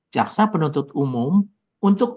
jaksa penuntut umum untuk